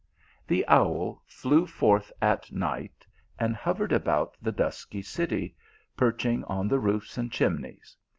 The owl flew forth at night, and hovered about the dusky city, perching on the roofs and chimneys.